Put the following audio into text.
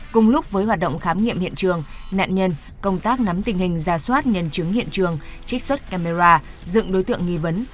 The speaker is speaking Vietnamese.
cùng lúc với hoạt động khám nghiệm hiện trường nạn nhân công tác nắm tình hình ra soát nhân chứng hiện trường trích xuất camera dựng đối tượng nghi vấn